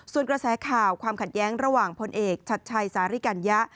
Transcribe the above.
ส่วนกระแสข่าวความขัดแย้งระหว่างพลเอกชัดชัยสาริกัญญะ